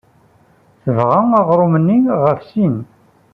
Tebɣa aɣrum-nni ɣef sin.